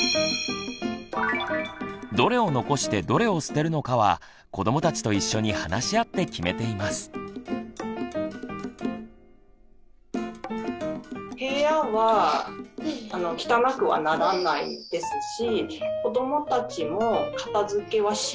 どれを残してどれを捨てるのかは子どもたちと一緒に話し合って決めています。